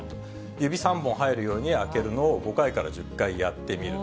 指３本入るように開けるのを５回から１０回やってみると。